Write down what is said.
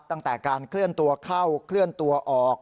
ตั้งแต่การเคลื่อนตัวเข้าเคลื่อนตัวออก